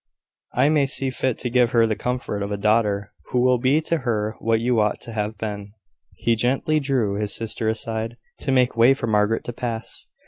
I may see fit to give her the comfort of a daughter who will be to her what you ought to have been." He gently drew his sister aside, to make way for Margaret to pass.